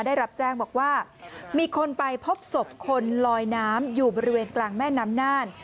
ได้รับแจ้งบอกว่ามีคนไปพบศพคนลอยน้ำอยู่บริเวณกลางแม่น้ำน่าน